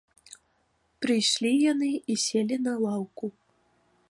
Прыйшлі яны і селі на лаўку.